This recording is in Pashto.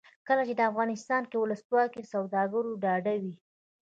کله چې افغانستان کې ولسواکي وي سوداګر ډاډه وي.